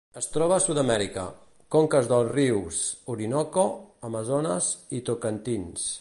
Es troba a Sud-amèrica: conques dels rius Orinoco, Amazones i Tocantins.